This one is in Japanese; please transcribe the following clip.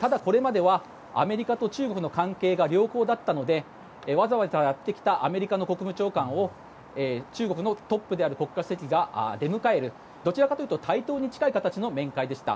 ただ、これまではアメリカと中国の関係が良好だったのでわざわざやってきたアメリカの国務長官を中国のトップである国家主席が出迎えるというどちらかというと対等に近い形での面会でした。